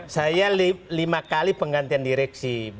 saya lima kali penggantian direksi